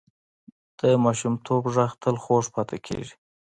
د ماشومتوب غږ تل خوږ پاتې کېږي